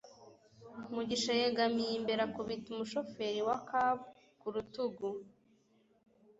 mugisha yegamiye imbere akubita umushoferi wa cab ku rutugu